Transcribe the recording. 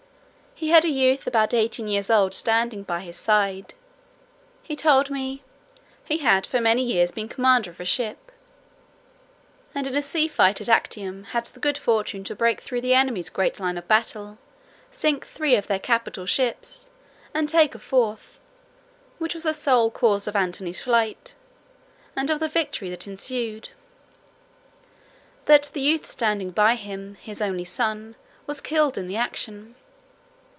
He had a youth about eighteen years old standing by his side. He told me, "he had for many years been commander of a ship; and in the sea fight at Actium had the good fortune to break through the enemy's great line of battle, sink three of their capital ships, and take a fourth, which was the sole cause of Antony's flight, and of the victory that ensued; that the youth standing by him, his only son, was killed in the action."